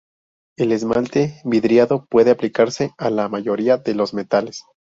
El esmalte vidriado puede aplicarse a la mayoría de los metales.